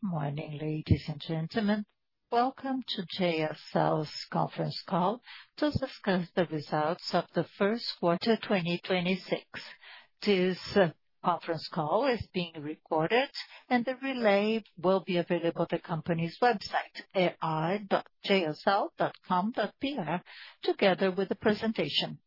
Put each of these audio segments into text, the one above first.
Morning, ladies and gentlemen. Welcome to JSL's conference call to discuss the results of the first quarter 2026. This conference call is being recorded and the relay will be available at the company's website, ir.jsl.com.br, together with the presentation.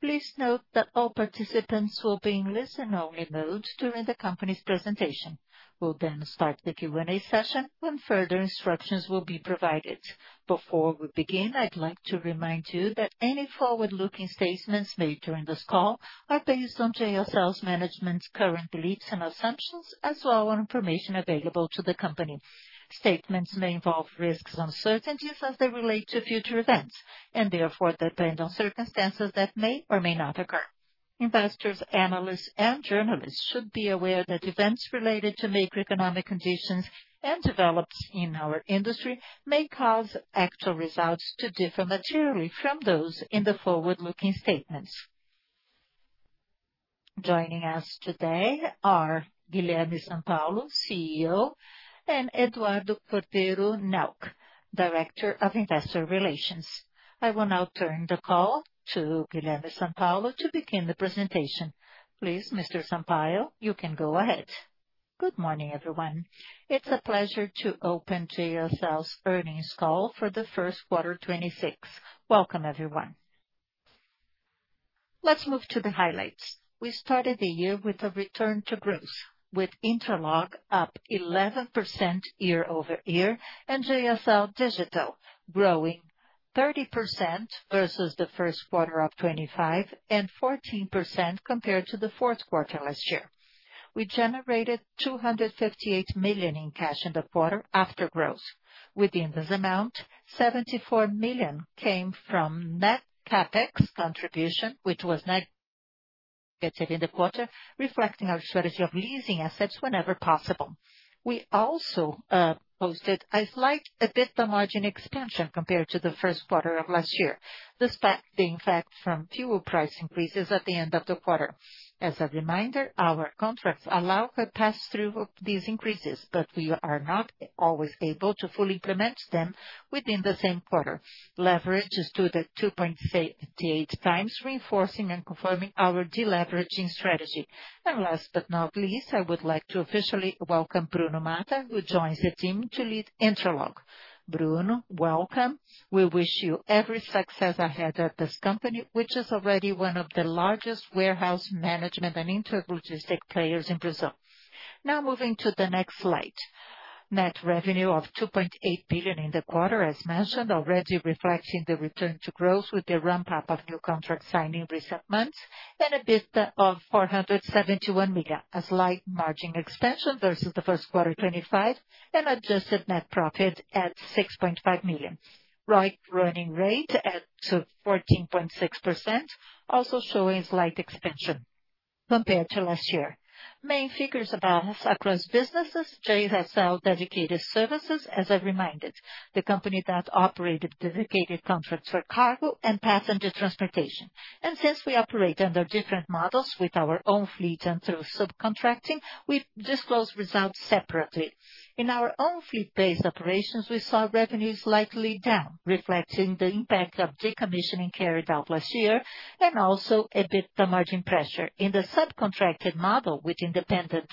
Please note that all participants will be in listen-only mode during the company's presentation. We'll then start the Q&A session when further instructions will be provided. Before we begin, I'd like to remind you that any forward-looking statements made during this call are based on JSL's management's current beliefs and assumptions, as well information available to the company. Statements may involve risks and uncertainties as they relate to future events, and therefore depend on circumstances that may or may not occur. Investors, analysts and journalists should be aware that events related to macroeconomic conditions and developments in our industry may cause actual results to differ materially from those in the forward-looking statements. Joining us today are Guilherme Sampaio, CEO, and Eduardo Cordeiro Nauck, Director of Investor Relations. I will now turn the call to Guilherme Sampaio to begin the presentation. Please, Mr. Sampaio, you can go ahead. Good morning, everyone. It's a pleasure to open JSL's earnings call for the first quarter 2026. Welcome, everyone. Let's move to the highlights. We started the year with a return to growth, with Intralog up 11% year-over-year and JSL Digital growing 30% versus the first quarter of 2025 and 14% compared to the fourth quarter last year. We generated 258 million in cash in the quarter after growth. Within this amount, 74 million came from net CapEx contribution, which was negative in the quarter, reflecting our strategy of leasing assets whenever possible. We also posted a slight EBITDA margin expansion compared to the first quarter of last year, despite the impact from fuel price increases at the end of the quarter. As a reminder, our contracts allow a pass-through of these increases, but we are not always able to fully implement them within the same quarter. Leverage is to the 2.88x, reinforcing and confirming our deleveraging strategy. Last but not least, I would like to officially welcome Brunno Matta, who joins the team to lead Intralog. Brunno, welcome. We wish you every success ahead at this company, which is already one of the largest warehouse management and intra-logistic players in Brazil. Moving to the next slide. Net revenue of 2.8 billion in the quarter, as mentioned, already reflecting the return to growth with the ramp-up of new contract signing recent months and EBITDA of 471 million. A slight margin expansion versus the first quarter 2025 and adjusted net profit at 6.5 million. ROIC running rate to 14.6%, also showing slight expansion compared to last year. Main figures across businesses, JSL Dedicated Services, as I've reminded, the company that operated dedicated contracts for cargo and passenger transportation. Since we operate under different models with our own fleet and through subcontracting, we disclose results separately. In our own fleet-based operations, we saw revenue slightly down, reflecting the impact of decommissioning carried out last year and also EBITDA margin pressure. In the subcontracted model with independent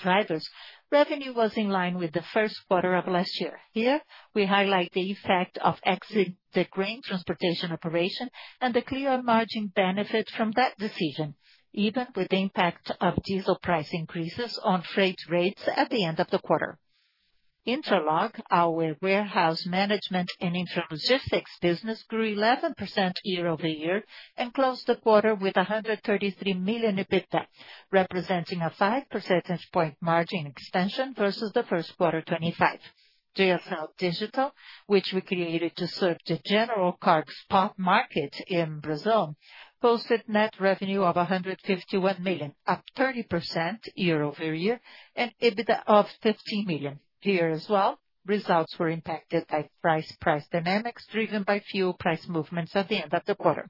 drivers, revenue was in line with the first quarter of last year. Here, we highlight the effect of exiting the grain transportation operation and the clear margin benefit from that decision, even with the impact of diesel price increases on freight rates at the end of the quarter. Intralog, our warehouse management and intralogistics business, grew 11% year-over-year and closed the quarter with 133 million EBITDA, representing a 5 percentage point margin expansion versus the first quarter 2025. JSL Digital, which we created to serve the general cargo spot market in Brazil, posted net revenue of 151 million, up 30% year-over-year, and EBITDA of 15 million. Here as well, results were impacted by freight price dynamics driven by fuel price movements at the end of the quarter.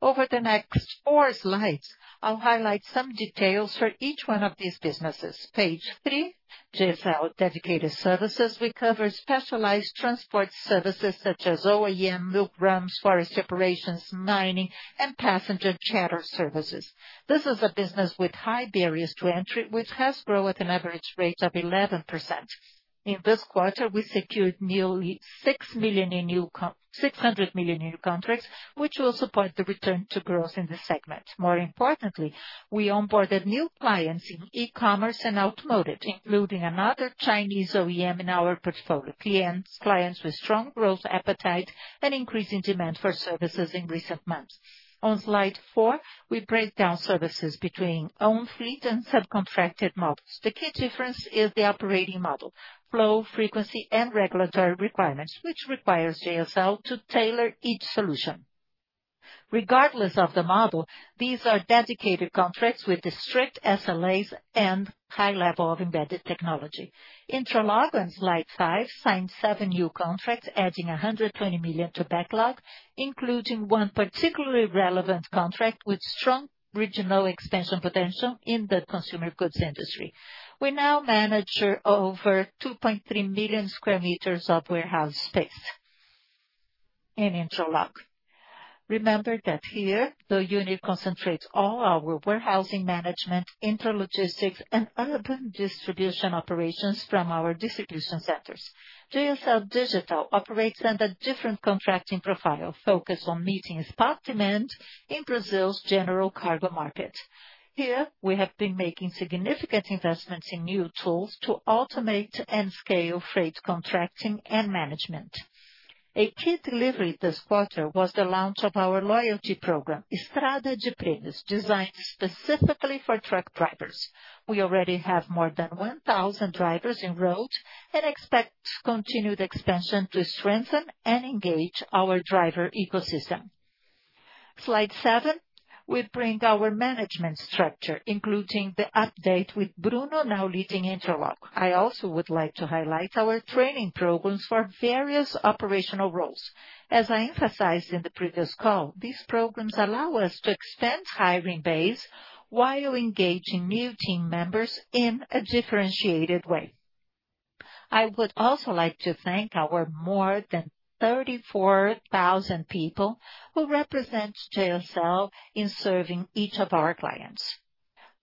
Over the next four slides, I'll highlight some details for each one of these businesses. Page three, JSL Dedicated Services recovers specialized transport services such as OEM, milk runs, forest operations, mining, and passenger charter services. This is a business with high barriers to entry, which has grown at an average rate of 11%. In this quarter, we secured nearly 600 million in new contracts, which will support the return to growth in this segment. More importantly, we onboarded new clients in e-commerce and automotive, including another Chinese OEM in our portfolio. Clients with strong growth appetite and increasing demand for services in recent months. On slide four, we break down services between own fleet and subcontracted models. The key difference is the operating model: flow, frequency, and regulatory requirements, which requires JSL to tailor each solution. Regardless of the model, these are dedicated contracts with strict SLAs and high level of embedded technology. Intralog, on slide five, signed seven new contracts, adding 120 million to backlog, including one particularly relevant contract with strong regional expansion potential in the consumer goods industry. We now manage over 2.3 million sq m of warehouse space. In Intralog. Remember that here, the unit concentrates all our warehousing management, intralogistics and urban distribution operations from our distribution centers. JSL Digital operates under different contracting profile, focused on meeting spot demand in Brazil's general cargo market. Here, we have been making significant investments in new tools to automate and scale freight contracting and management. A key delivery this quarter was the launch of our loyalty program, Estrada de Prêmios, designed specifically for truck drivers. We already have more than 1,000 drivers enrolled, and expect continued expansion to strengthen and engage our driver ecosystem. Slide seven, we bring our management structure, including the update with Brunno now leading Intralog. I also would like to highlight our training programs for various operational roles. As I emphasized in the previous call, these programs allow us to expand hiring base while engaging new team members in a differentiated way. I would also like to thank our more than 34,000 people who represent JSL in serving each of our clients.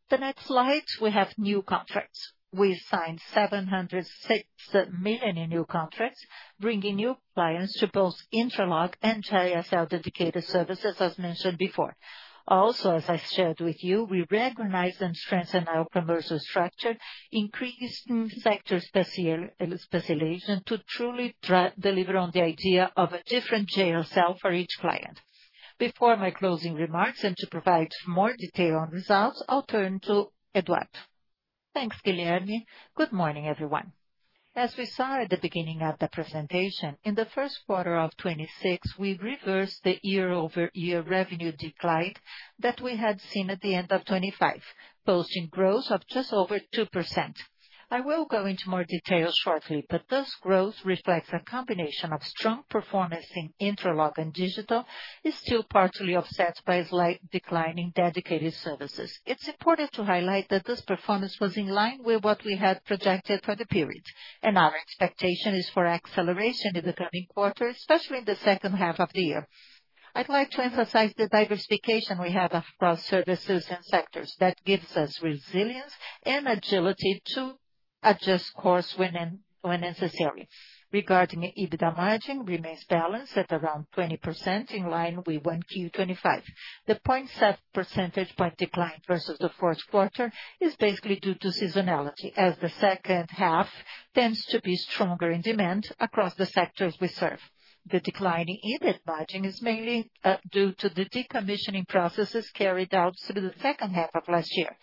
The next slide, we have new contracts. We signed 706 million in new contracts, bringing new clients to both Intralog and JSL Dedicated Services, as mentioned before. As I shared with you, we recognized and strengthened our commercial structure, increased sector specialization to truly deliver on the idea of a different JSL for each client. Before my closing remarks and to provide more detail on results, I'll turn to Eduardo. Thanks, Guilherme. Good morning, everyone. As we saw at the beginning of the presentation, in the first quarter of 2026, we reversed the year-over-year revenue decline that we had seen at the end of 2025, posting growth of just over 2%. I will go into more detail shortly, this growth reflects a combination of strong performance in Intralog and Digital, is still partially offset by a slight decline in Dedicated Services. It's important to highlight that this performance was in line with what we had projected for the period, and our expectation is for acceleration in the coming quarters, especially in the second half of the year. I'd like to emphasize the diversification we have across services and sectors. That gives us resilience and agility to adjust course when necessary. Regarding EBITDA margin remains balanced at around 20%, in line with 1Q 2025. The 0.7 percentage point decline versus the fourth quarter is basically due to seasonality, as the second half tends to be stronger in demand across the sectors we serve. The decline in EBIT margin is mainly due to the decommissioning processes carried out through the second half of last year.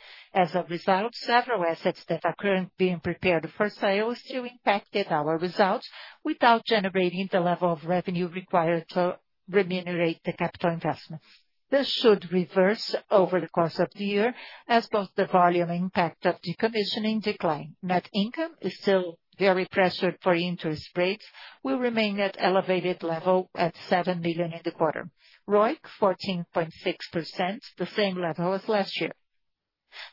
Several assets that are currently being prepared for sale still impacted our results without generating the level of revenue required to remunerate the capital investment. This should reverse over the course of the year as both the volume impact of decommissioning decline. Net income is still very pressured for interest rates, will remain at elevated level at 7 million in the quarter. ROIC 14.6%, the same level as last year.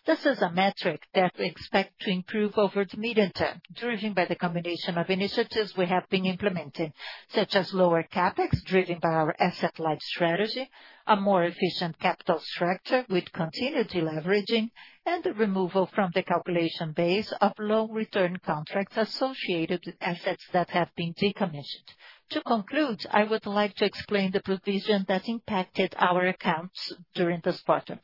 This is a metric that we expect to improve over the medium term, driven by the combination of initiatives we have been implementing, such as lower CapEx, driven by our asset-light strategy, a more efficient capital structure with continued deleveraging, and the removal from the calculation base of low return contracts associated with assets that have been decommissioned. To conclude, I would like to explain the provision that impacted our accounts during this quarter.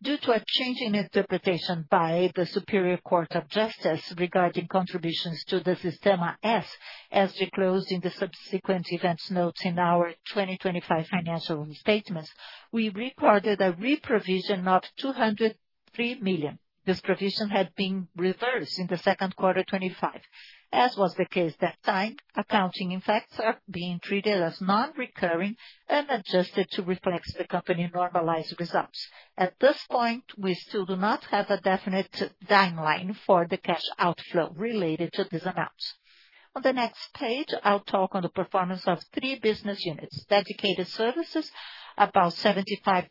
Due to a change in interpretation by the Superior Court of Justice regarding contributions to the Sistema S, as disclosed in the subsequent events notes in our 2025 financial statements, we recorded a reprovision of 203 million. This provision had been reversed in the second quarter 2025. As was the case that time, accounting impacts are being treated as non-recurring and adjusted to reflect the company normalized results. At this point, we still do not have a definite timeline for the cash outflow related to this amount. On the next page, I'll talk on the performance of three business units. Dedicated Services, about 75%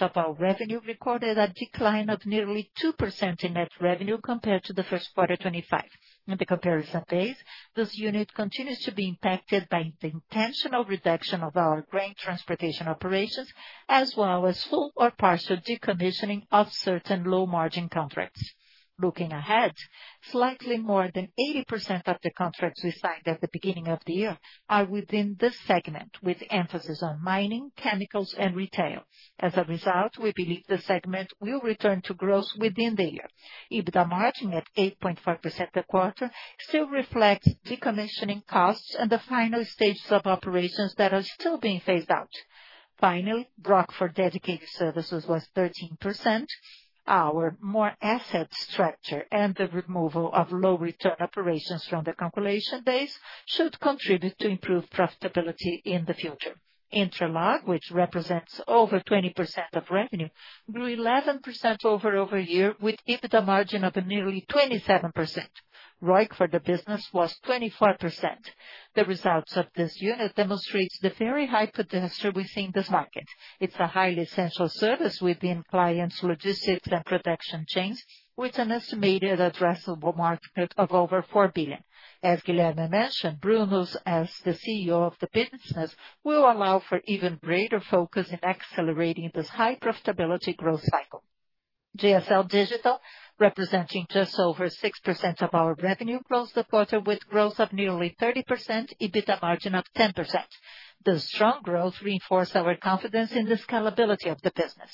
of our revenue, recorded a decline of nearly 2% in net revenue compared to the first quarter 2025. In the comparison base, this unit continues to be impacted by the intentional reduction of our grain transportation operations, as well as full or partial decommissioning of certain low-margin contracts. Looking ahead, slightly more than 80% of the contracts we signed at the beginning of the year are within this segment, with emphasis on mining, chemicals, and retail. As a result, we believe the segment will return to growth within the year. EBITDA margin at 8.5% a quarter still reflects decommissioning costs and the final stages of operations that are still being phased out. Finally, ROIC for Dedicated Services was 13%. Our more asset structure and the removal of low return operations from the calculation base should contribute to improved profitability in the future. Intralog, which represents over 20% of revenue, grew 11% year-over-year with EBITDA margin of nearly 27%. ROIC for the business was 24%. The results of this unit demonstrates the very high potential we see in this market. It's a highly essential service within clients' logistics and production chains, with an estimated addressable market of over 4 billion. As Guilherme mentioned, Brunno as the CEO of the business will allow for even greater focus in accelerating this high profitability growth cycle. JSL Digital, representing just over 6% of our revenue, closed the quarter with growth of nearly 30%, EBITDA margin of 10%. The strong growth reinforce our confidence in the scalability of the business.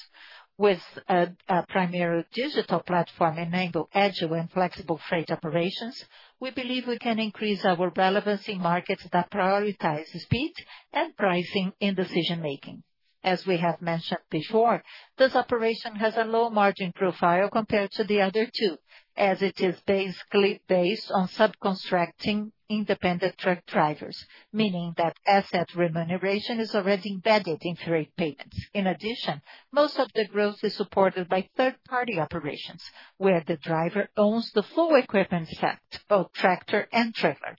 With a primary digital platform enabling agile and flexible freight operations, we believe we can increase our relevancy in markets that prioritize speed and pricing in decision-making. As we have mentioned before, this operation has a low margin profile compared to the other two, as it is basically based on subcontracting independent truck drivers, meaning that asset remuneration is already embedded in freight payments. In addition, most of the growth is supported by third-party operations, where the driver owns the full equipment set, both tractor and trailer.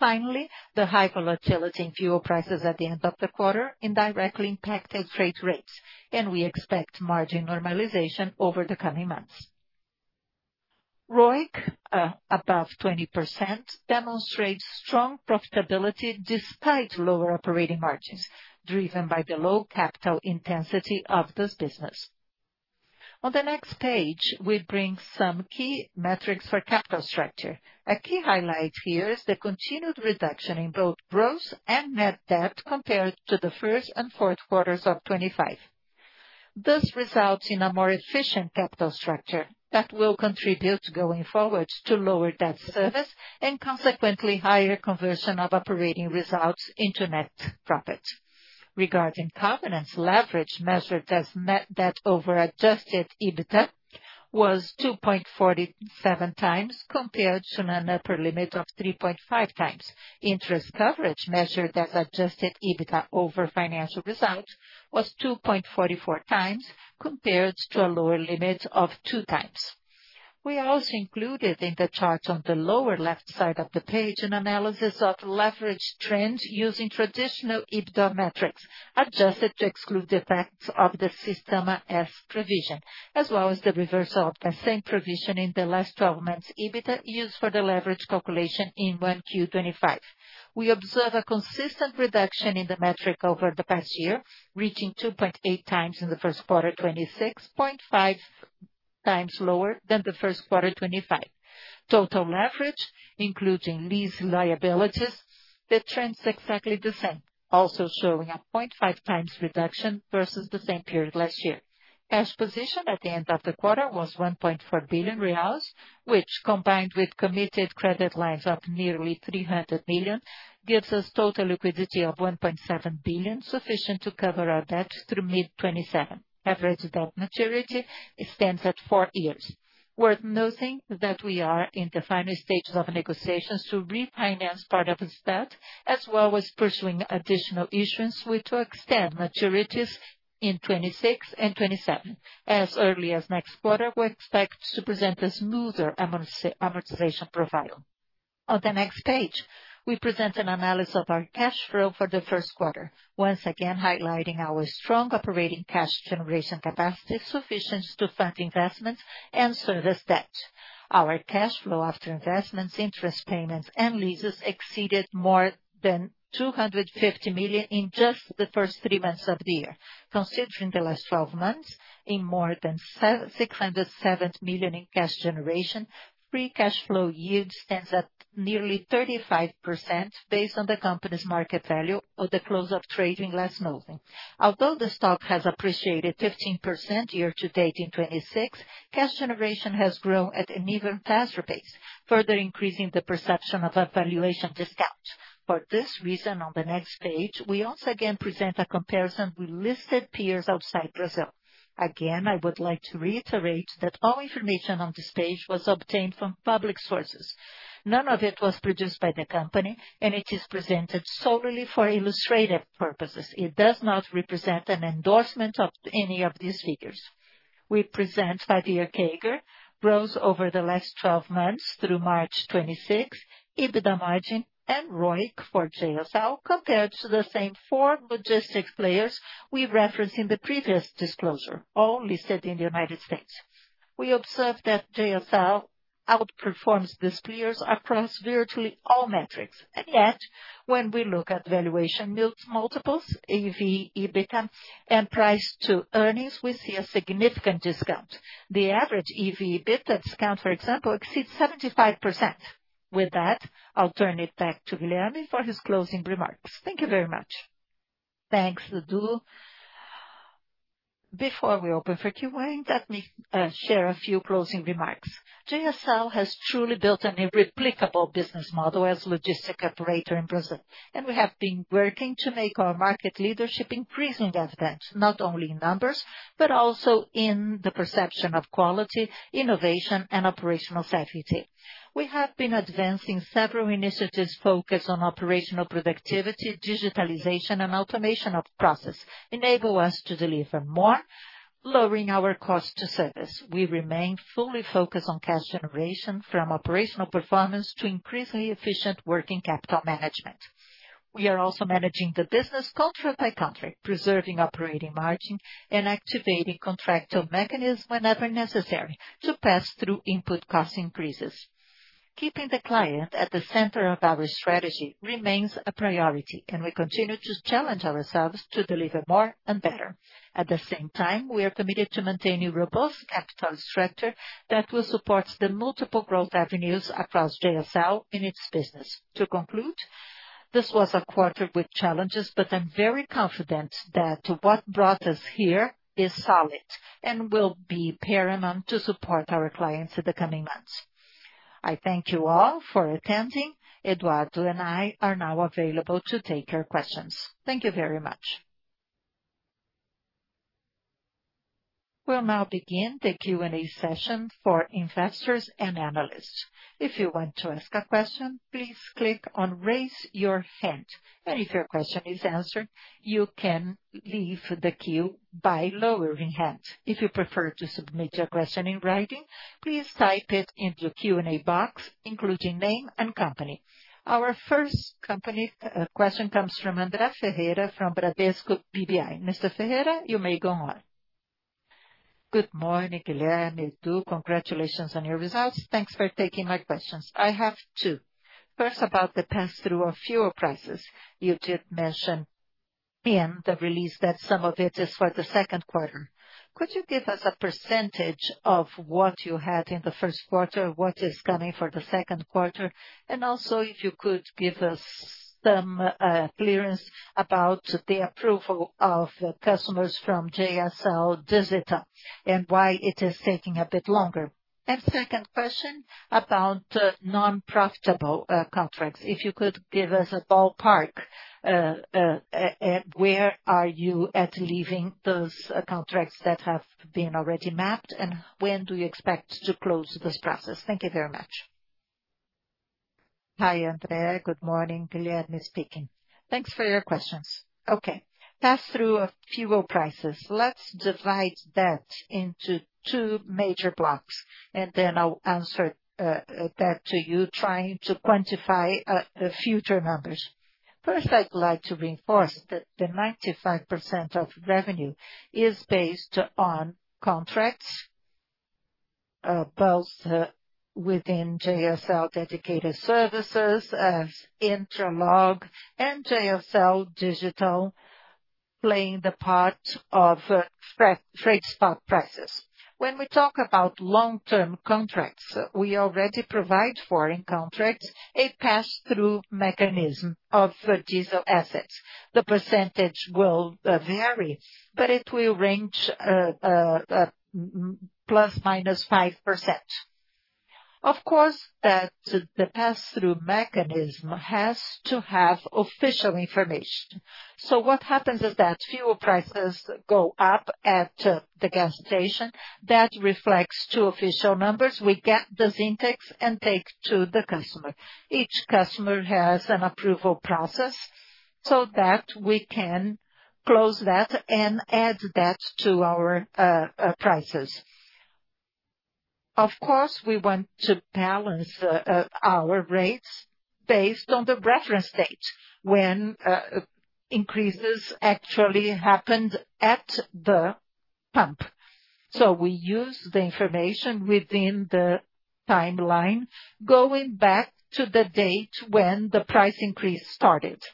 Finally, the high volatility in fuel prices at the end of the quarter indirectly impacted freight rates, and we expect margin normalization over the coming months. ROIC above 20% demonstrates strong profitability despite lower operating margins, driven by the low capital intensity of this business. On the next page, we bring some key metrics for capital structure. A key highlight here is the continued reduction in both gross and net debt compared to the first and fourth quarters of 2025. This results in a more efficient capital structure that will contribute going forward to lower debt service and consequently higher conversion of operating results into net profit. Regarding covenants leverage measured as net debt over adjusted EBITDA was 2.47x compared to an upper limit of 3.5x. Interest coverage measured as adjusted EBITDA over financial results was 2.44x compared to a lower limit of 2x. We also included in the chart on the lower left side of the page an analysis of leverage trends using traditional EBITDA metrics, adjusted to exclude the effects of the Sistema S provision, as well as the reversal of the same provision in the last 12 months EBITDA used for the leverage calculation in 1Q 2025. We observe a consistent reduction in the metric over the past year, reaching 2.8x in the first quarter, 26.5x lower than the first quarter 2025. Total leverage, including these liabilities, the trend is exactly the same, also showing a 0.5x reduction versus the same period last year. Cash position at the end of the quarter was 1.4 billion reais, which combined with committed credit lines of nearly 300 million, gives us total liquidity of 1.7 billion, sufficient to cover our debt through mid-2027. Average debt maturity stands at four years. Worth noting that we are in the final stages of negotiations to refinance part of this debt, as well as pursuing additional issuance way to extend maturities in 2026 and 2027. As early as next quarter, we expect to present a smoother amortization profile. On the next page, we present an analysis of our cash flow for the first quarter. Once again, highlighting our strong operating cash generation capacity sufficient to fund investments and service debt. Our cash flow after investments, interest payments and leases exceeded more than 250 million in just the first three months of the year. Considering the last 12 months in more than 607 million in cash generation, free cash flow yield stands at nearly 35% based on the company's market value at the close of trading last month. Although the stock has appreciated 15% year to date in 2026, cash generation has grown at an even faster pace, further increasing the perception of a valuation discount. For this reason, on the next page, we once again present a comparison with listed peers outside Brazil. Again, I would like to reiterate that all information on this page was obtained from public sources. None of it was produced by the company and it is presented solely for illustrative purposes. It does not represent an endorsement of any of these figures. We present five-year CAGR, growth over the last 12 months through March 26, EBITDA margin, and ROIC for JSL compared to the same four logistics players we referenced in the previous disclosure, all listed in the United States. We observe that JSL outperforms these players across virtually all metrics. Yet, when we look at valuation multiples, EV/EBITDA and price to earnings, we see a significant discount. The average EV/EBIT discount, for example, exceeds 75%. With that, I'll turn it back to Guilherme for his closing remarks. Thank you very much. Thanks, Edu. Before we open for Q&A, let me share a few closing remarks. JSL has truly built a replicable business model as logistic operator in Brazil, and we have been working to make our market leadership increasingly advanced, not only in numbers, but also in the perception of quality, innovation, and operational safety. We have been advancing several initiatives focused on operational productivity, digitalization, and automation of process enable us to deliver more, lowering our cost to service. We remain fully focused on cash generation from operational performance to increasingly efficient working capital management. We are also managing the business country by country, preserving operating margin and activating contractual mechanisms whenever necessary to pass through input cost increases. Keeping the client at the center of our strategy remains a priority, and we continue to challenge ourselves to deliver more and better. At the same time, we are committed to maintaining a robust capital structure that will support the multiple growth avenues across JSL in its business. To conclude. This was a quarter with challenges, but I'm very confident that what brought us here is solid and will be paramount to support our clients in the coming months. I thank you all for attending. Eduardo and I are now available to take your questions. Thank you very much. We'll now begin the Q&A session for investors and analysts. If you want to ask a question, please click on raise your hand, and if your question is answered, you can leave the queue by lowering hand. If you prefer to submit your question in writing, please type it into the Q&A box, including name and company. Our first company question comes from André Ferreira from Bradesco BBI. Mr. Ferreira, you may go on. Good morning, Guilherme, Edu. Congratulations on your results. Thanks for taking my questions. I have two. First, about the pass-through of fuel prices. You did mention in the release that some of it is for the second quarter. Could you give us a percentage of what you had in the first quarter, what is coming for the second quarter? Also, if you could give us some clearance about the approval of customers from JSL Digital and why it is taking a bit longer. Second question about non-profitable contracts. If you could give us a ballpark where are you at leaving those contracts that have been already mapped, and when do you expect to close this process? Thank you very much. Hi, André. Good morning. Guilherme speaking. Thanks for your questions. Okay. Pass-through of fuel prices. Let's divide that into two major blocks, and then I'll answer that to you trying to quantify future numbers. First, I'd like to reinforce that the 95% of revenue is based on contracts, both within JSL Dedicated Services as Intralog and JSL Digital playing the part of freight spot prices. When we talk about long-term contracts, we already provide foreign contracts, a pass-through mechanism of diesel assets. The percentage will vary, but it will range ±5%. Of course, the pass-through mechanism has to have official information. What happens is that fuel prices go up at the gas station. That reflects two official numbers. We get those index and take to the customer. Each customer has an approval process, so that we can close that and add that to our prices. Of course, we want to balance our rates based on the reference date when increases actually happened at the pump. We use the information within the timeline going back to the date when the price increase started.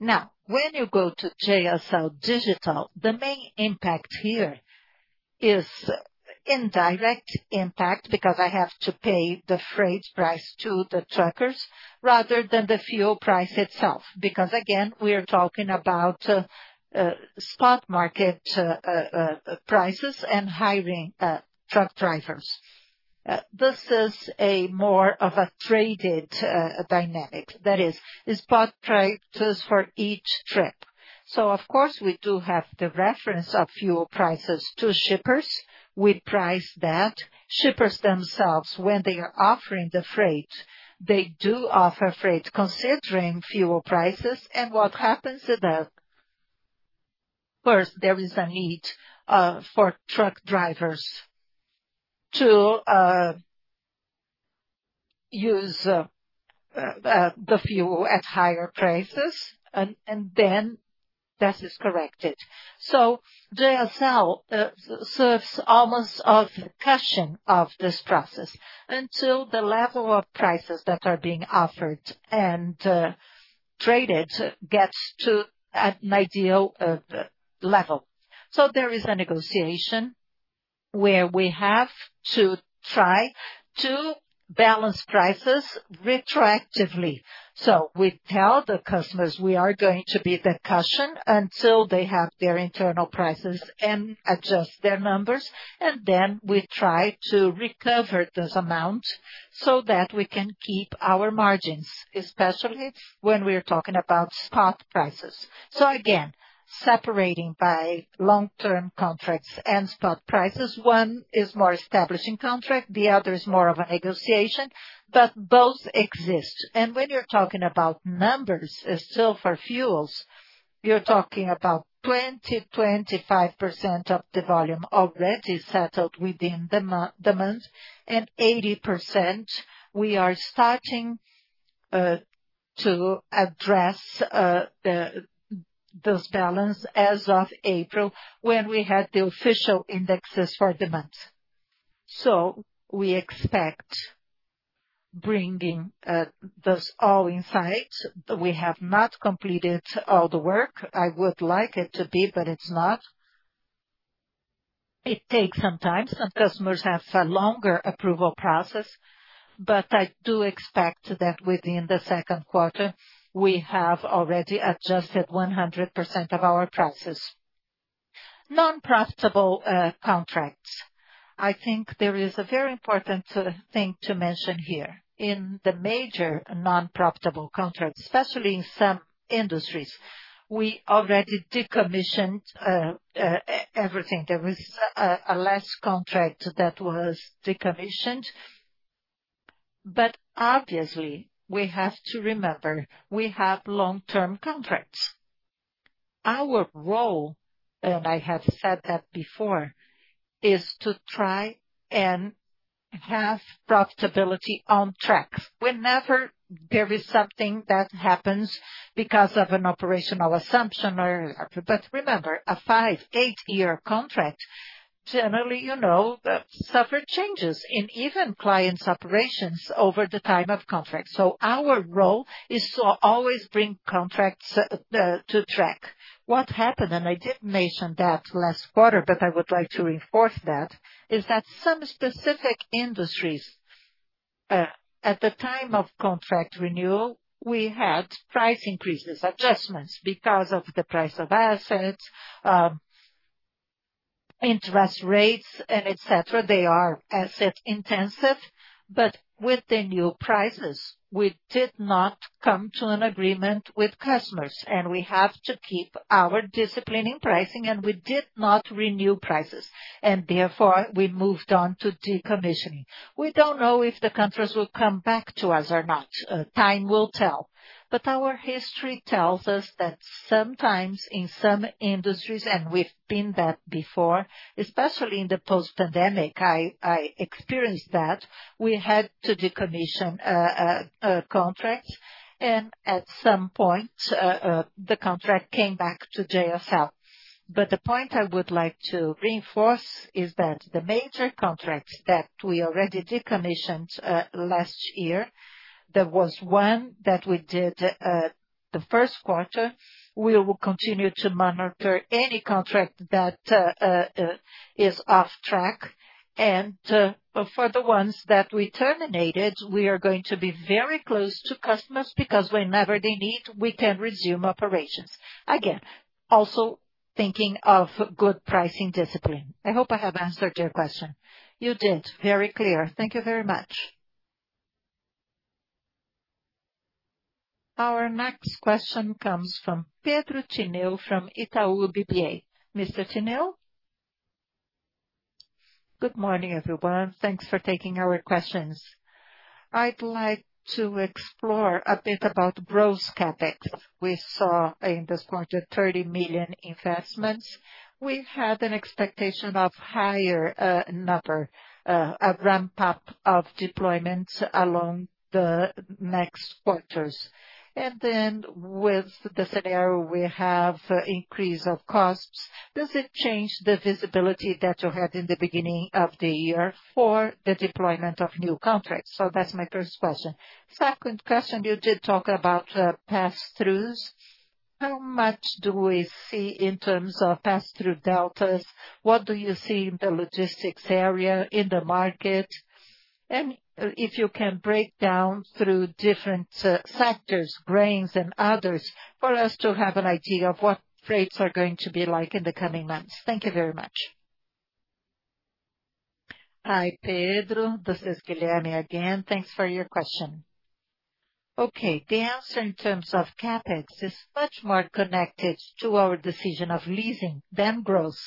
Now, when you go to JSL Digital, the main impact here is indirect impact, because I have to pay the freight price to the truckers rather than the fuel price itself. Again, we are talking about spot market prices and hiring truck drivers. This is a more of a traded dynamic. That is, spot prices for each trip. Of course, we do have the reference of fuel prices to shippers. We price that. Shippers themselves, when they are offering the freight, they do offer freight considering fuel prices and what happens to that. First, there is a need for truck drivers to use the fuel at higher prices, and then that is corrected. JSL serves almost as a cushion of this process until the level of prices that are being offered and traded gets to an ideal level. There is a negotiation where we have to try to balance prices retroactively. We tell the customers we are going to be the cushion until they have their internal prices and adjust their numbers, and then we try to recover this amount so that we can keep our margins, especially when we're talking about spot prices. Again, separating by long-term contracts and spot prices. One is more establishing contract, the other is more of a negotiation, but both exist. When you're talking about numbers, for fuels, you're talking about 20%-25% of the volume already settled within the month, and 80%, we are starting to address those balance as of April, when we had the official indexes for the month. We expect bringing this all in sight. We have not completed all the work. I would like it to be, but it's not. It takes some time. Some customers have a longer approval process, but I do expect that within the second quarter, we have already adjusted 100% of our prices. Non-profitable contracts. I think there is a very important thing to mention here. In the major non-profitable contracts, especially in some industries, we already decommissioned everything. There was a last contract that was decommissioned. Obviously, we have to remember, we have long-term contracts. Our role, and I have said that before, is to try and have profitability on track whenever there is something that happens because of an operational assumption or whatever. Remember, a five, eight-year contract, generally, you know, suffer changes in even clients' operations over the time of contract. Our role is to always bring contracts to track. What happened, and I did mention that last quarter, but I would like to reinforce that, is that some specific industries at the time of contract renewal, we had price increases, adjustments because of the price of assets, interest rates, and et cetera. They are asset-intensive. With the new prices, we did not come to an agreement with customers, we have to keep our discipline in pricing, we did not renew prices, and therefore we moved on to decommissioning. We don't know if the contracts will come back to us or not. Time will tell. Our history tells us that sometimes in some industries, we've been that before, especially in the post-pandemic, I experienced that, we had to decommission a contract, at some point, the contract came back to JSL. The point I would like to reinforce is that the major contracts that we already decommissioned last year, there was one that we did the first quarter. We will continue to monitor any contract that is off track. For the ones that we terminated, we are going to be very close to customers because whenever they need, we can resume operations. Again, also thinking of good pricing discipline. I hope I have answered your question. You did. Very clear. Thank you very much. Our next question comes from Pedro Tíneo from Itaú BBA. Mr. Tíneo. Good morning, everyone. Thanks for taking our questions. I'd like to explore a bit about gross CapEx. We saw in this quarter 30 million investments. We had an expectation of higher number, a ramp-up of deployments along the next quarters. With the scenario we have increase of costs, does it change the visibility that you had in the beginning of the year for the deployment of new contracts? That's my first question. Second question, you did talk about pass-throughs. How much do we see in terms of pass-through deltas? What do you see in the logistics area in the market? If you can break down through different sectors, grains and others, for us to have an idea of what rates are going to be like in the coming months. Thank you very much. Hi, Pedro. This is Guilherme again. Thanks for your question. The answer in terms of CapEx is much more connected to our decision of leasing than growth.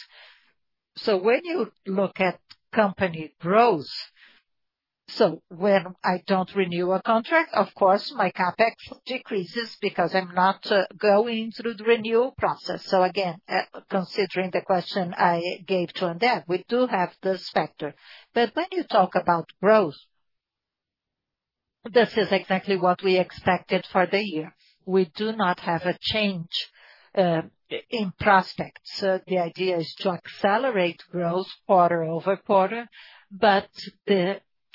When you look at company growth, when I don't renew a contract, of course, my CapEx decreases because I'm not going through the renewal process. Again, considering the question I gave to André, we do have this factor. When you talk about growth, this is exactly what we expected for the year. We do not have a change in prospects. The idea is to accelerate growth quarter-over-quarter, the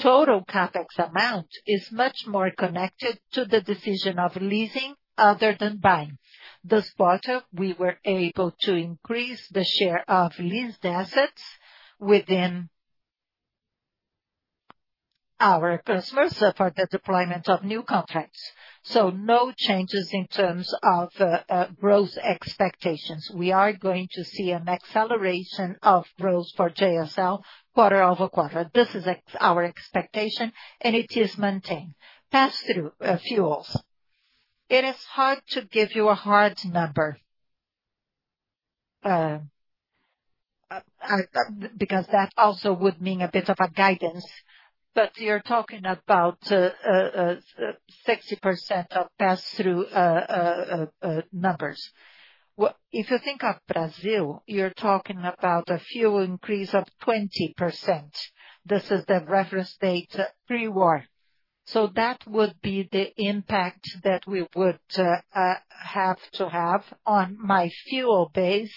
total CapEx amount is much more connected to the decision of leasing other than buying. This quarter, we were able to increase the share of leased assets within our customers for the deployment of new contracts. No changes in terms of growth expectations. We are going to see an acceleration of growth for JSL quarter-over-quarter. This is our expectation, and it is maintained. Pass-through fuels. It is hard to give you a hard number because that also would mean a bit of a guidance, but you're talking about 60% of pass-through numbers. If you think of Brazil, you're talking about a fuel increase of 20%. This is the reference date pre-war. That would be the impact that we would have to have on my fuel base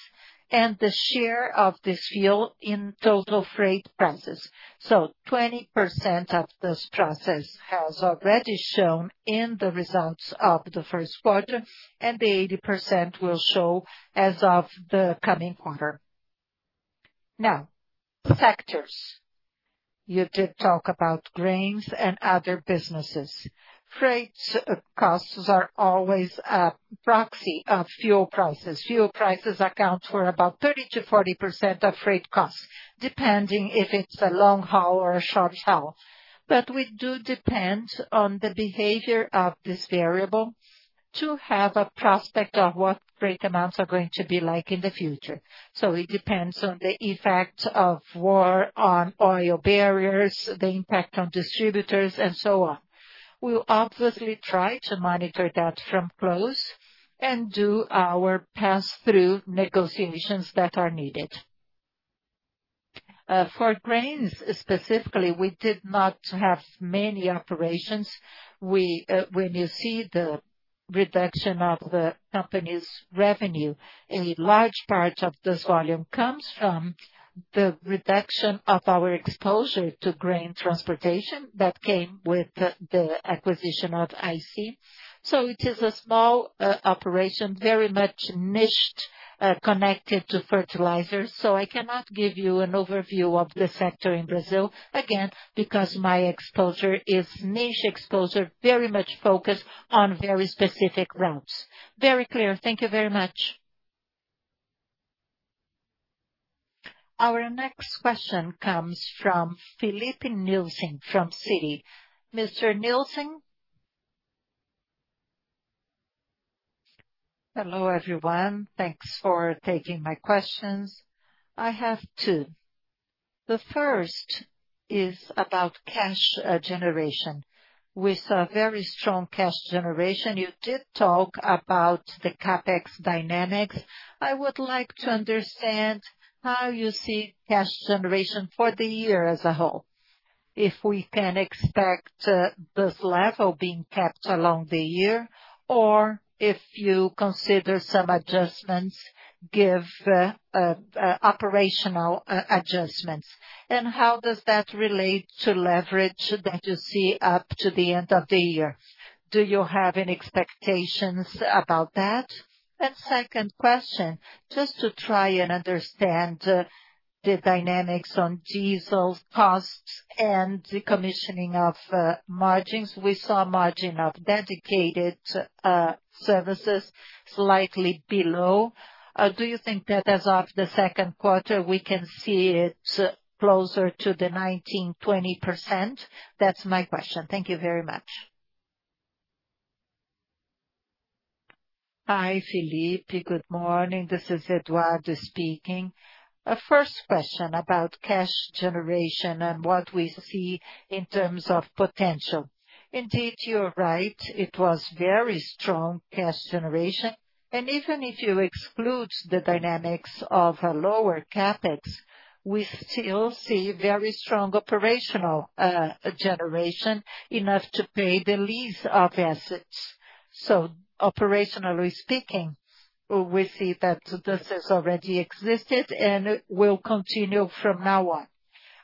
and the share of this fuel in total freight prices. 20% of this process has already shown in the results of the first quarter, and the 80% will show as of the coming quarter. Sectors. You did talk about grains and other businesses. Freight costs are always a proxy of fuel prices. Fuel prices account for about 30%-40% of freight costs, depending if it's a long haul or a short haul. We do depend on the behavior of this variable to have a prospect of what freight amounts are going to be like in the future. It depends on the effect of war on oil barriers, the impact on distributors, and so on. We'll obviously try to monitor that from close and do our pass-through negotiations that are needed. For grains specifically, we did not have many operations. When you see the reduction of the company's revenue, a large part of this volume comes from the reduction of our exposure to grain transportation that came with the acquisition of IC. It is a small operation, very much niched, connected to fertilizers. I cannot give you an overview of the sector in Brazil, again, because my exposure is niche exposure, very much focused on very specific routes. Very clear. Thank you very much. Our next question comes from Filipe Nielsen from Citi. Mr. Nielsen. Hello, everyone. Thanks for taking my questions. I have two. The first is about cash generation. With a very strong cash generation, you did talk about the CapEx dynamics. I would like to understand how you see cash generation for the year as a whole. If we can expect this level being kept along the year, or if you consider some adjustments, give operational adjustments. How does that relate to leverage that you see up to the end of the year? Do you have any expectations about that? Second question, just to try and understand the dynamics on diesel costs and the commissioning of margins. We saw margin of Dedicated Services slightly below. Do you think that as of the second quarter, we can see it closer to the 19%-20%? That's my question. Thank you very much. Hi, Filipe. Good morning. This is Eduardo speaking. First question about cash generation and what we see in terms of potential. Indeed, you're right, it was very strong cash generation. Even if you exclude the dynamics of a lower CapEx, we still see very strong operational generation enough to pay the lease of assets. Operationally speaking, we see that this has already existed and will continue from now on.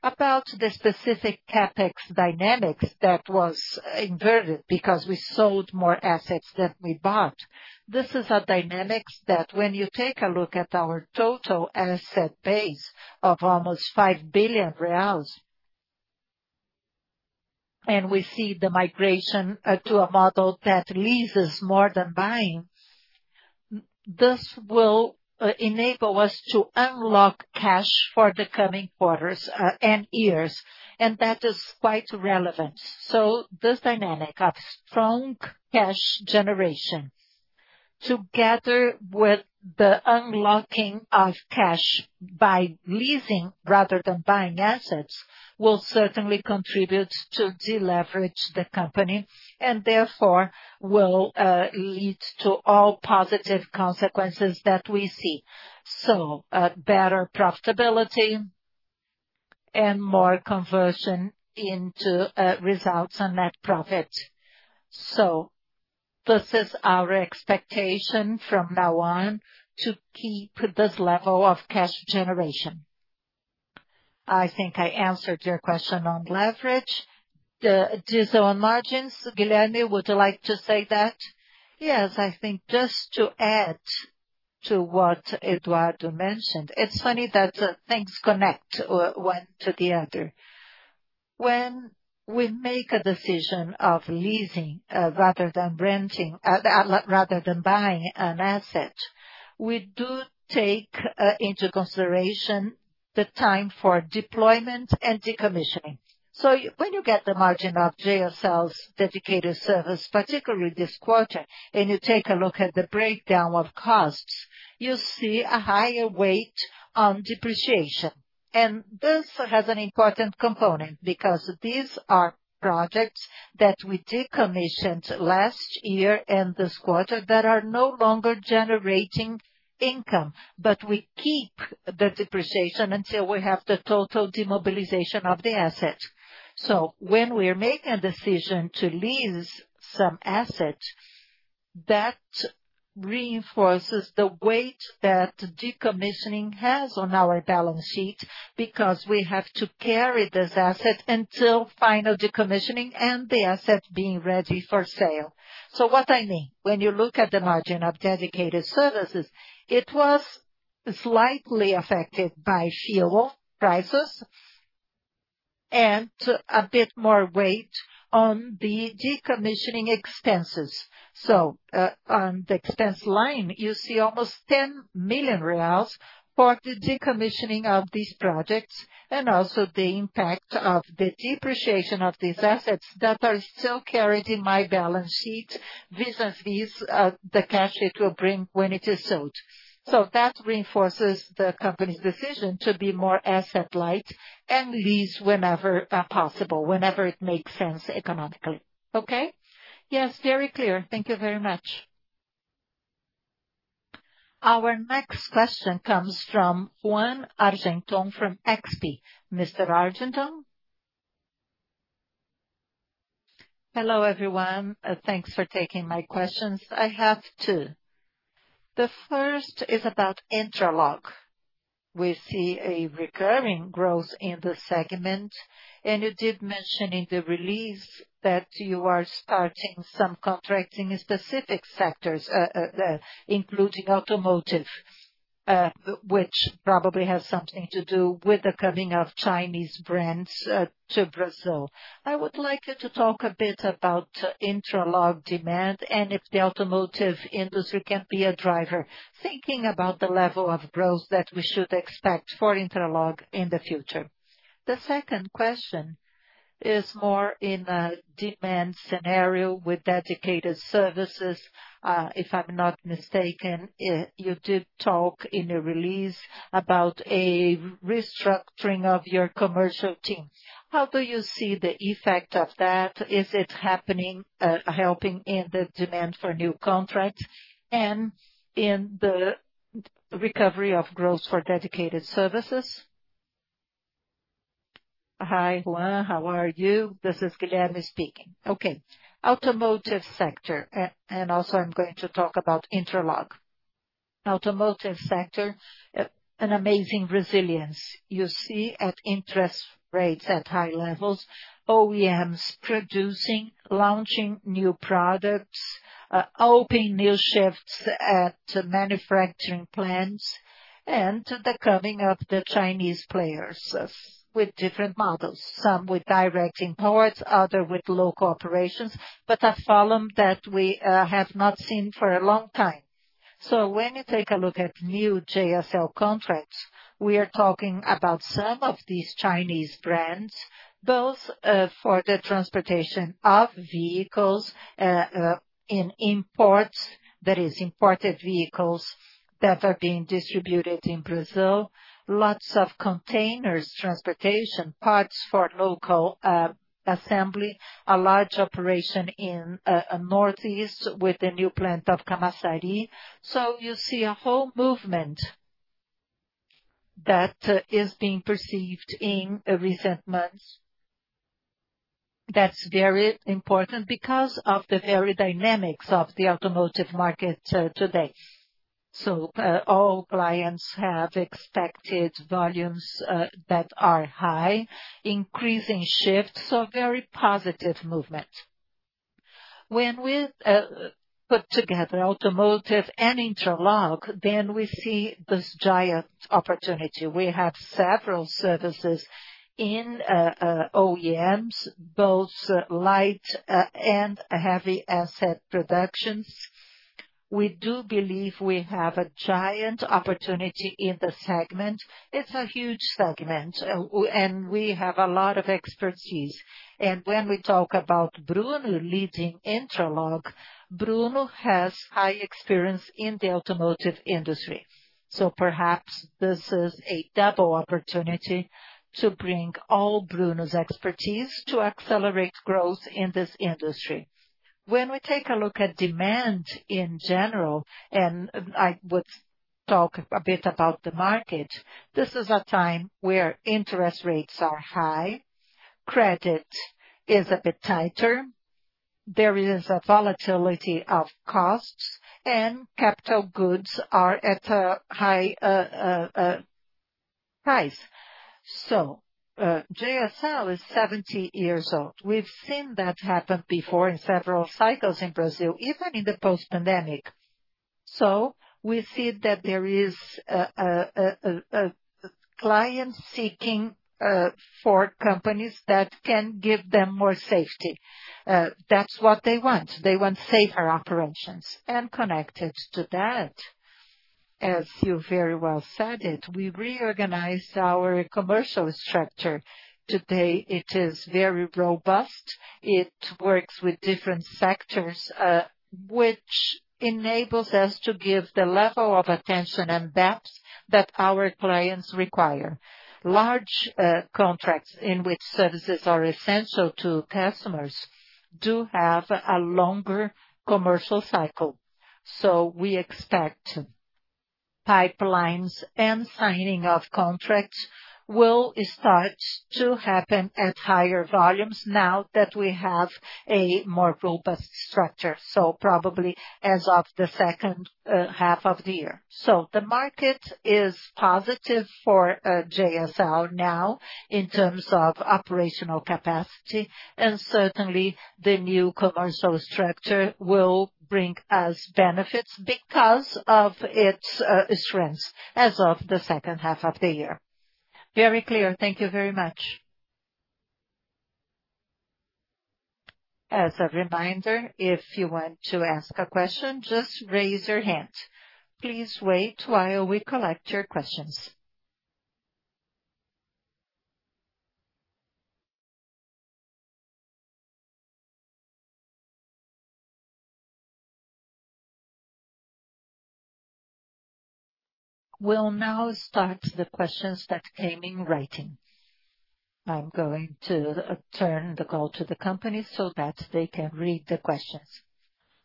About the specific CapEx dynamics that was inverted because we sold more assets than we bought, this is a dynamics that when you take a look at our total asset base of almost 5 billion reais, and we see the migration to a model that leases more than buying, this will enable us to unlock cash for the coming quarters and years, and that is quite relevant. This dynamic of strong cash generation, together with the unlocking of cash by leasing rather than buying assets, will certainly contribute to deleverage the company and therefore will lead to all positive consequences that we see. Better profitability and more conversion into results on net profit. This is our expectation from now on, to keep this level of cash generation. I think I answered your question on leverage. The diesel margins, Guilherme, would you like to say that? Yes. I think just to add to what Eduardo mentioned, it is funny that things connect one to the other. When we make a decision of leasing rather than buying an asset, we do take into consideration the time for deployment and decommissioning. When you get the margin of JSL Dedicated Services, particularly this quarter, and you take a look at the breakdown of costs, you see a higher weight on depreciation. This has an important component because these are projects that we decommissioned last year and this quarter that are no longer generating income, but we keep the depreciation until we have the total demobilization of the asset. When we make a decision to lease some asset, that reinforces the weight that decommissioning has on our balance sheet because we have to carry this asset until final decommissioning and the asset being ready for sale. What I mean, when you look at the margin of Dedicated Services, it was slightly affected by fuel prices and a bit more weight on the decommissioning expenses. On the expense line, you see almost 10 million reais for the decommissioning of these projects and also the impact of the depreciation of these assets that are still carried in my balance sheet vis-a-vis the cash it will bring when it is sold. That reinforces the company's decision to be more asset-light and lease whenever possible, whenever it makes sense economically. Okay. Yes. Very clear. Thank you very much. Our next question comes from Ruan Argenton from XP. Mr. Argenton. Hello, everyone. Thanks for taking my questions. I have two. The first is about Intralog. We see a recurring growth in the segment, and you did mention in the release that you are starting some contracting in specific sectors, including automotive, which probably has something to do with the coming of Chinese brands to Brazil. I would like you to talk a bit about Intralog demand and if the automotive industry can be a driver. Thinking about the level of growth that we should expect for Intralog in the future. The second question is more in a demand scenario with Dedicated Services. If I'm not mistaken, you did talk in a release about a restructuring of your commercial team. How do you see the effect of that? Is it happening, helping in the demand for new contracts and in the recovery of growth for Dedicated Services? Hi, Ruan, how are you? This is Guilherme speaking. Okay. Automotive sector. Also, I'm going to talk about Intralog. Automotive sector, an amazing resilience. You see at interest rates at high levels, OEMs producing, launching new products, opening new shifts at manufacturing plants and the coming of the Chinese players with different models. Some with direct imports, other with low corporations, but a volume that we have not seen for a long time. When you take a look at new JSL contracts, we are talking about some of these Chinese brands, both for the transportation of vehicles in imports, that is imported vehicles that are being distributed in Brazil. Lots of containers, transportation parts for local assembly. A large operation in Northeast with the new plant of Camacari. You see a whole movement that is being perceived in recent months. Very important because of the very dynamics of the automotive market today. All clients have expected volumes that are high, increasing shifts, very positive movement. When we put together automotive and Intralog, we see this giant opportunity. We have several services in OEMs, both light and heavy asset productions. We do believe we have a giant opportunity in the segment. It's a huge segment. We have a lot of expertise. When we talk about Brunno leading Intralog, Brunno has high experience in the automotive industry. Perhaps this is a double opportunity to bring all Brunno's expertise to accelerate growth in this industry. When we take a look at demand in general, I would talk a bit about the market, this is a time where interest rates are high, credit is a bit tighter. There is a volatility of costs, capital goods are at a high price. JSL is 70 years old. We've seen that happen before in several cycles in Brazil, even in the post-pandemic. We see that there is a client seeking for companies that can give them more safety. That's what they want. They want safer operations. Connected to that, as you very well said it, we reorganized our commercial structure. Today, it is very robust. It works with different sectors, which enables us to give the level of attention and depth that our clients require. Large contracts in which services are essential to customers do have a longer commercial cycle. We expect pipelines and signing of contracts will start to happen at higher volumes now that we have a more robust structure, probably as of the second half of the year. The market is positive for JSL now in terms of operational capacity, and certainly the new commercial structure will bring us benefits because of its strengths as of the second half of the year. Very clear. Thank you very much. As a reminder, if you want to ask a question, just raise your hand. Please wait while we collect your questions. We'll now start the questions that came in writing. I'm going to turn the call to the company so that they can read the questions.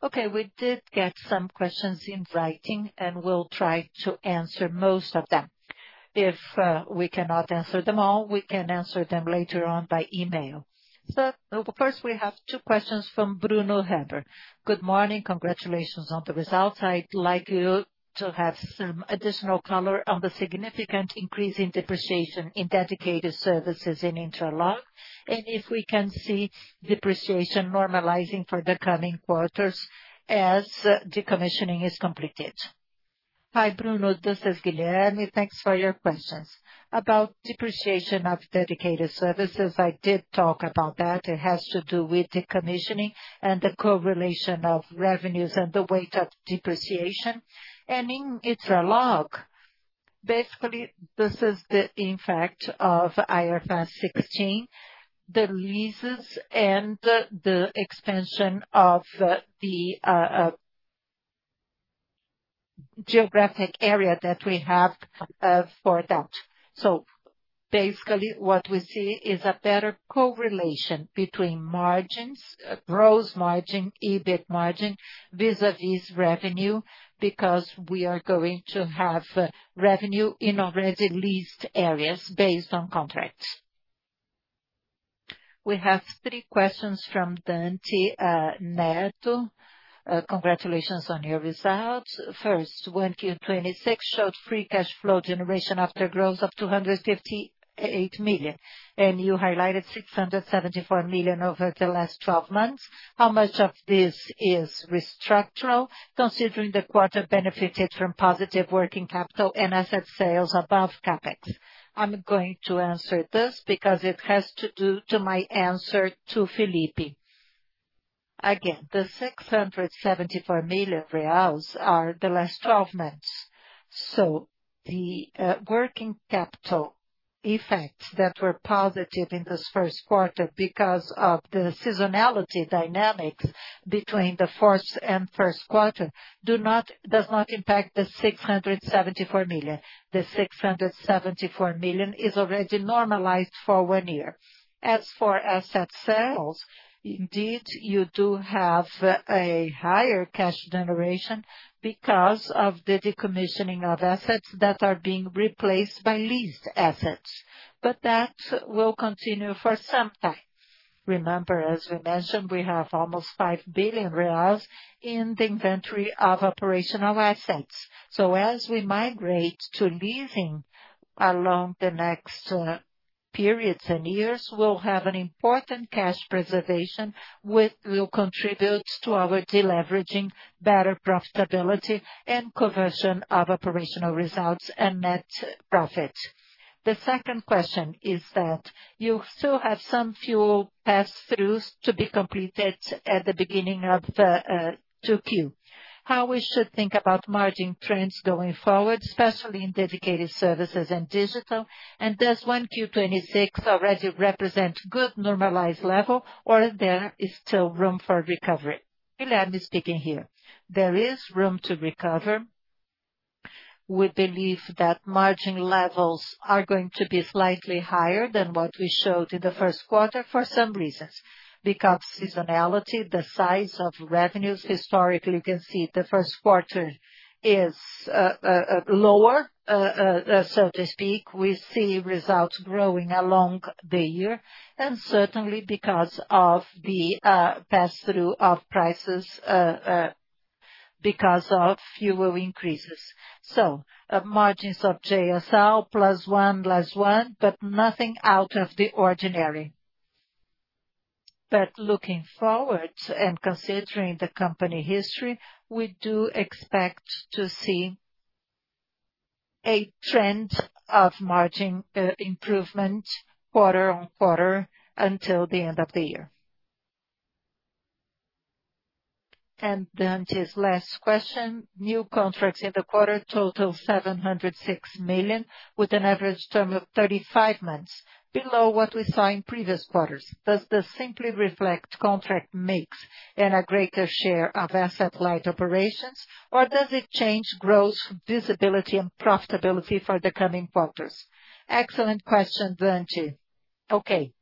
Okay, we did get some questions in writing, and we'll try to answer most of them. If we cannot answer them all, we can answer them later on by email. First, we have two questions from [Bruno Heber]. Good morning. Congratulations on the results. I'd like you to have some additional color on the significant increase in depreciation in Dedicated Services in Intralog. If we can see depreciation normalizing for the coming quarters as decommissioning is completed? Hi, Bruno. This is Guilherme. Thanks for your questions. About depreciation of Dedicated Services, I did talk about that. It has to do with decommissioning and the correlation of revenues and the weight of depreciation. In Intralog, basically, this is the impact of IFRS 16, the leases and the expansion of the geographic area that we have for that. Basically, what we see is a better correlation between margins, gross margin, EBIT margin vis-a-vis revenue, because we are going to have revenue in already leased areas based on contracts. We have three questions from [Dante Neto]. Congratulations on your results. First, 1Q 2026 showed free cash flow generation after growth of 258 million. You highlighted 674 million over the last 12 months. How much of this is structural, considering the quarter benefited from positive working capital and asset sales above CapEx? I'm going to answer this because it has to do to my answer to Filipe. The 674 million reais are the last 12 months. The working capital effects that were positive in this first quarter because of the seasonality dynamics between the fourth and first quarter does not impact the 674 million. The 674 million is already normalized for one year. As for asset sales, indeed you do have a higher cash generation because of the decommissioning of assets that are being replaced by leased assets. That will continue for some time. Remember, as we mentioned, we have almost 5 billion reais in the inventory of operational assets. As we migrate to leasing along the next periods and years, we'll have an important cash preservation, which will contribute to our deleveraging, better profitability, and conversion of operational results and net profit. The second question is that you still have some fuel pass-throughs to be completed at the beginning of the 2Q. How we should think about margin trends going forward, especially in Dedicated Services and Digital. Does 1Q 2026 already represent good normalized level, or is there still room for recovery? Guilherme speaking here. There is room to recover. We believe that margin levels are going to be slightly higher than what we showed in the first quarter for some reasons. Because seasonality, the size of revenues, historically, you can see the first quarter is lower. We see results growing along the year, and certainly because of the pass-through of prices because of fuel increases. Margins of JSL +1, +1, but nothing out of the ordinary. Looking forward and considering the company history, we do expect to see a trend of margin improvement quarter on quarter until the end of the year. Dante's last question, new contracts in the quarter total 706 million, with an average term of 35 months, below what we saw in previous quarters. Does this simply reflect contract mix and a greater share of asset-light operations, or does it change growth visibility and profitability for the coming quarters? Excellent question, Dante. Okay.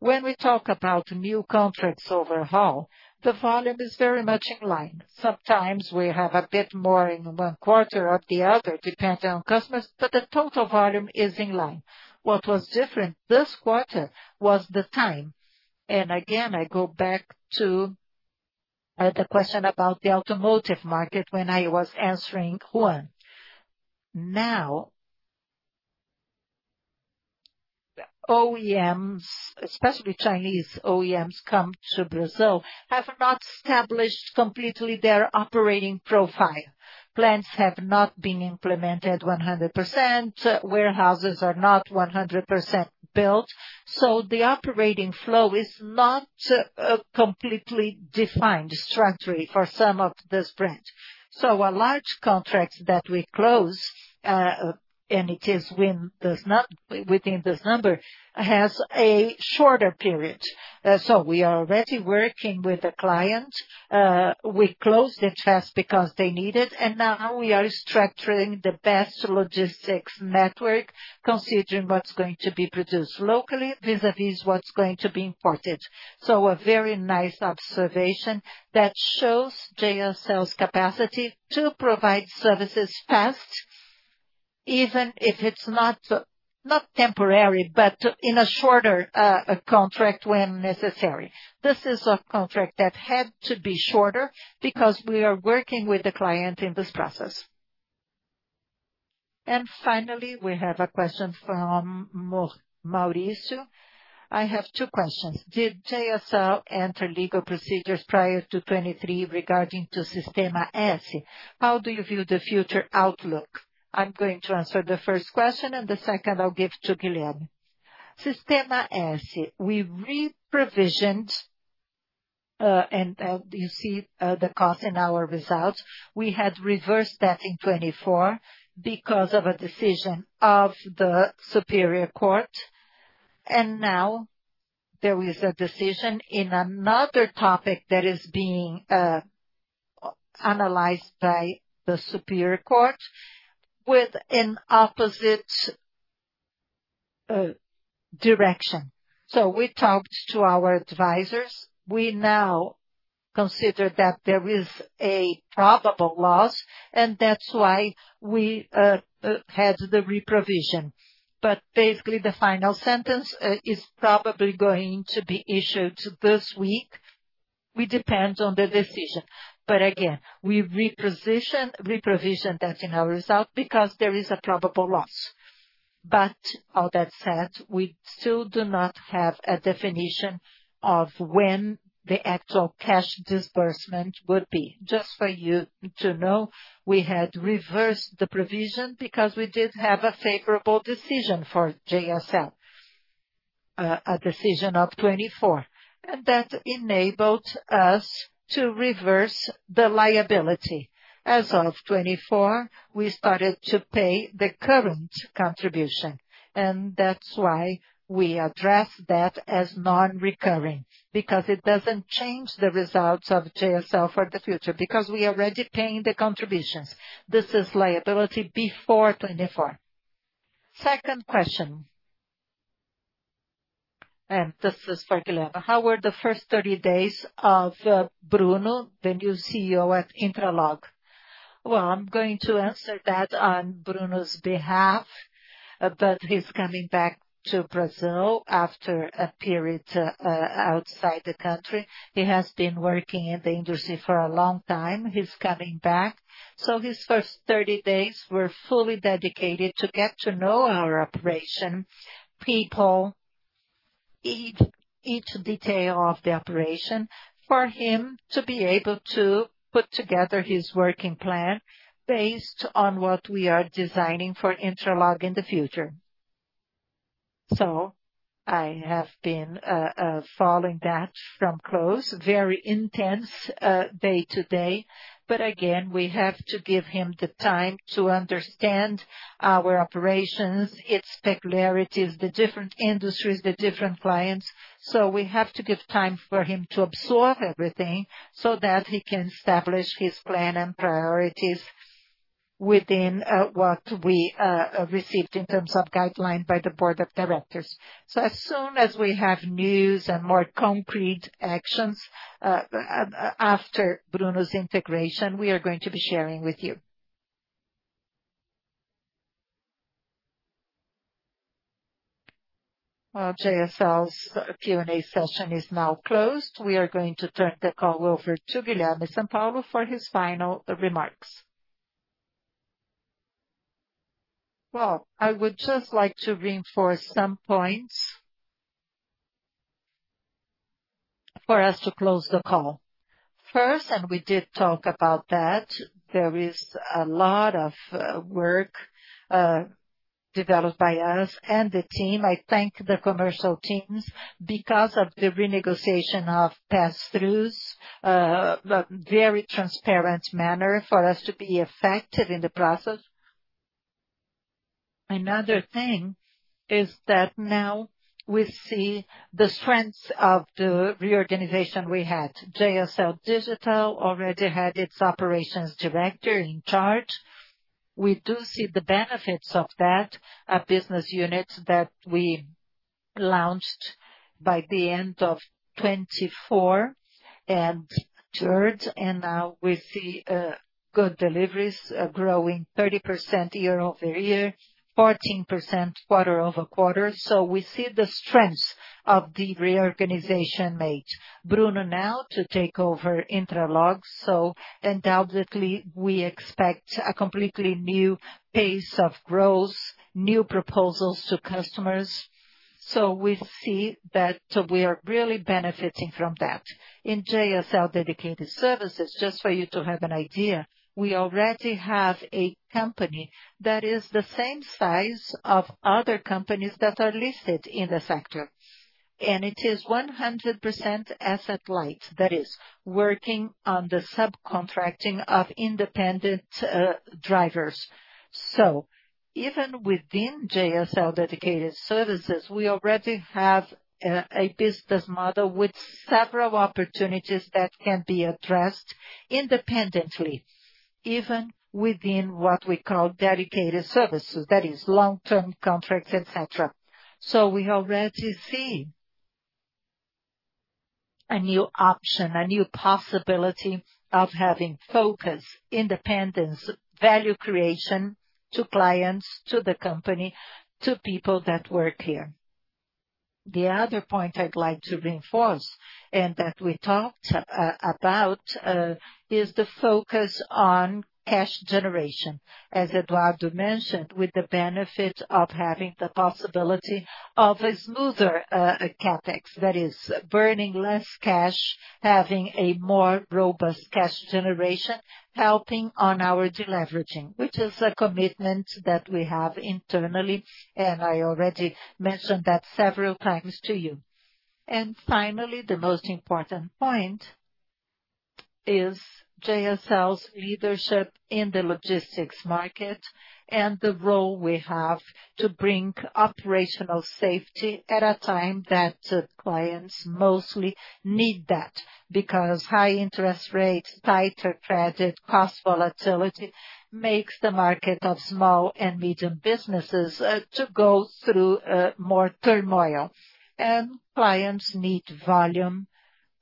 When we talk about new contracts overall, the volume is very much in line. Sometimes we have a bit more in one quarter or the other, depending on customers, but the total volume is in line. What was different this quarter was the time. Again, I go back to the question about the automotive market when I was answering Ruan. OEMs, especially Chinese OEMs, come to Brazil, have not established completely their operating profile. Plans have not been implemented 100%, warehouses are not 100% built. The operating flow is not completely defined structurally for some of this branch. A large contract that we close, and it is within this number, has a shorter period. We are already working with the client. We closed it fast because they need it. Now we are structuring the best logistics network, considering what's going to be produced locally vis-à-vis what's going to be imported. A very nice observation that shows JSL's capacity to provide services fast, even if it's not temporary, but in a shorter contract when necessary. This is a contract that had to be shorter because we are working with the client in this process. Finally, we have a question from Mauricio. I have two questions. Did JSL enter legal procedures prior to 2023 regarding to Sistema S? How do you view the future outlook? I'm going to answer the first question, and the second I'll give to Guilherme. Sistema S, we reprovisioned, and you see the cost in our results. We had reversed that in 2024 because of a decision of the Superior Court. Now there is a decision in another topic that is being analyzed by the Superior Court with an opposite direction. We talked to our advisors. We now consider that there is a probable loss, and that's why we had the reprovision. Basically, the final sentence is probably going to be issued this week. We depend on the decision. Again, we reprovision that in our result because there is a probable loss. All that said, we still do not have a definition of when the actual cash disbursement would be. Just for you to know, we had reversed the provision because we did have a favorable decision for JSL, a decision of 2024, and that enabled us to reverse the liability. As of 2024, we started to pay the current contribution. That's why we address that as non-recurring, because it doesn't change the results of JSL for the future, because we are already paying the contributions. This is liability before 2024. Second question. This is for Guilherme. How were the first 30 days of Brunno, the new CEO at Intralog? Well, I'm going to answer that on Brunno's behalf, but he's coming back to Brazil after a period outside the country. He has been working in the industry for a long time. He's coming back. His first 30 days were fully dedicated to get to know our operation, people, each detail of the operation for him to be able to put together his working plan based on what we are designing for Intralog in the future. I have been following that from close, very intense, day to day. Again, we have to give him the time to understand our operations, its particularities, the different industries, the different clients. We have to give time for him to absorb everything so that he can establish his plan and priorities within what we received in terms of guideline by the board of directors. As soon as we have news and more concrete actions after Brunno's integration, we are going to be sharing with you. JSL's Q&A session is now closed. We are going to turn the call over to Guilherme Sampaio for his final remarks. I would just like to reinforce some points for us to close the call. First, and we did talk about that, there is a lot of work developed by us and the team. I thank the commercial teams because of the renegotiation of passthroughs, very transparent manner for us to be effective in the process. Another thing is that now we see the strengths of the reorganization we had. JSL Digital already had its operations director in charge. We do see the benefits of that, a business unit that we launched by the end of 2024 and third, and now we see good deliveries, growing 30% year-over-year, 14% quarter-over-quarter. We see the strengths of the reorganization made. Brunno now to take over Intralog. Undoubtedly, we expect a completely new pace of growth, new proposals to customers. We see that we are really benefiting from that. In JSL Dedicated Services, just for you to have an idea, we already have a company that is the same size of other companies that are listed in the sector. It is 100% asset-light. That is working on the subcontracting of independent drivers. Even within JSL Dedicated Services, we already have a business model with several opportunities that can be addressed independently, even within what we call Dedicated Services, that is long-term contracts, et cetera. We already see a new option, a new possibility of having focus, independence, value creation to clients, to the company, to people that work here. The other point I'd like to reinforce and that we talked about is the focus on cash generation. As Eduardo mentioned, with the benefit of having the possibility of a smoother CapEx that is burning less cash, having a more robust cash generation, helping on our deleveraging, which is a commitment that we have internally, and I already mentioned that several times to you. Finally, the most important point is JSL's leadership in the logistics market and the role we have to bring operational safety at a time that clients mostly need that because high interest rates, tighter credit, cost volatility, makes the market of small and medium businesses to go through more turmoil. Clients need volume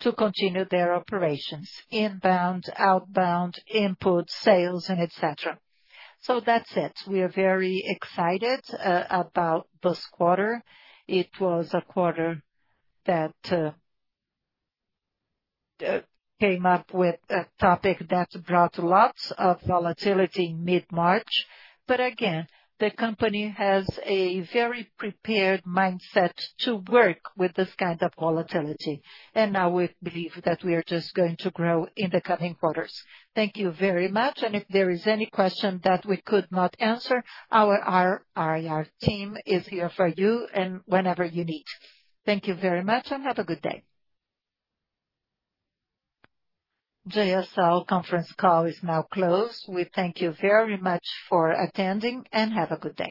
to continue their operations: inbound, outbound, input, sales and et cetera. That's it. We are very excited about this quarter. It was a quarter that came up with a topic that brought lots of volatility mid-March. Again, the company has a very prepared mindset to work with this kind of volatility. Now we believe that we are just going to grow in the coming quarters. Thank you very much. If there is any question that we could not answer, our IR team is here for you and whenever you need. Thank you very much and have a good day. JSL conference call is now closed. We thank you very much for attending and have a good day.